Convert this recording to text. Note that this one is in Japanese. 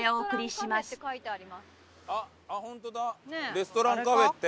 「レストラン・カフェ」って。